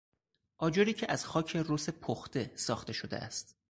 آجری که از خاک رس پخته ساخته شده است